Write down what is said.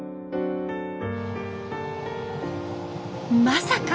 「まさか！